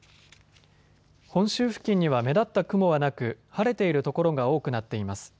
本州付近には目立った雲はなく晴れている所が多くなっています。